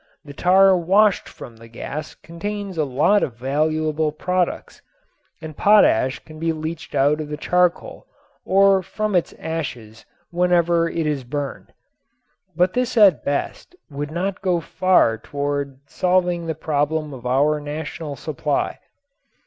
The tar washed from the gas contains a lot of valuable products. And potash can be leached out of the charcoal or from its ashes whenever it is burned. But this at best would not go far toward solving the problem of our national supply.